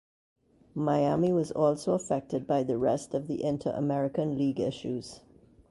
Miami was also affected by the rest of the Inter–American League issues.